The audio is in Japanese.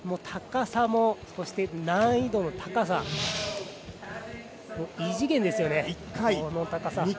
高さも、難易度の高さも異次元ですよね、この高さ。